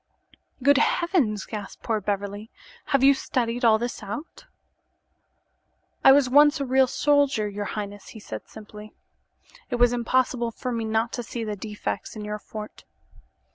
"Good heavens!" gasped poor Beverly. "Have you studied all this out?" "I was once a real soldier, your highness," he said, simply. "It was impossible for me not to see the defects in your fort."